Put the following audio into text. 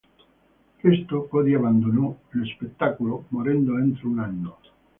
Presto Cody abbandonò lo spettacolo, morendo entro un anno.